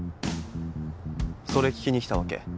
それ聞きに来たわけ？